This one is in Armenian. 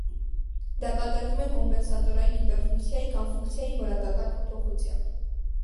Դա կատարվում է կոմպենսատորային հիպերֆունկցիայի կամ ֆունկցիայի որակական փոփոխությամբ։